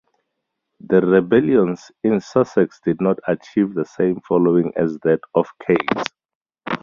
The rebellions in Sussex did not achieve the same following as that of Cade's.